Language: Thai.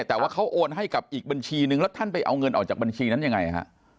แต่ว่าเขาโอนให้กับอีกบัญชีนึงแล้วท่านไปเอาเงินออกจากบัญชีนั้นยังไงฮะ